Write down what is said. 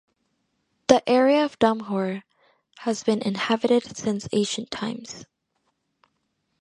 The area of Domburg has been inhabited since ancient times.